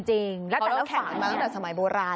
จริงแล้วแข่งกันมาตั้งแต่สมัยโบราณ